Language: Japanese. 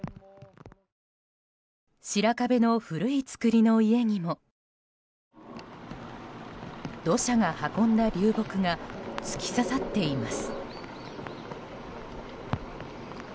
白壁の古い造りの家にも土砂が運んだ流木が突き刺さっています。